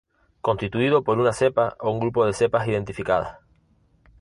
Constituido por una cepa o un grupo de cepas identificadas.